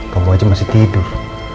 tomo aja masih tidur